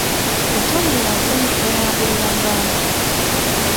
Gwe towulira nsonyi okweyambulira mu bantu?